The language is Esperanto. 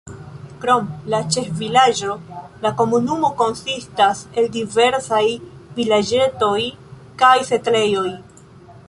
Krom la ĉefvilaĝo la komunumo konsistas el diversaj vilaĝetoj kaj setlejoj.